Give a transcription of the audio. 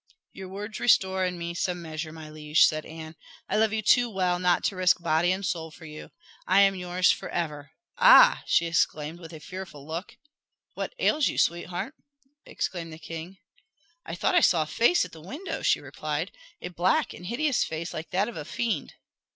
"Your words restore me in some measure, my liege," said Anne. "I love you too well not to risk body and soul for you. I am yours for ever ah!" she exclaimed, with a fearful look. "What ails you, sweetheart?" exclaimed the king. "I thought I saw a face at the window," she replied "a black and hideous face like that of a fiend."